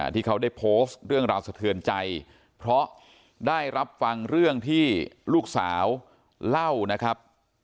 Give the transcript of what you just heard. ที่เขาได้โพสต์เรื่องราวสะเทือนใจเพราะได้รับฟังเรื่องที่ลูกสาวเล่านะครับ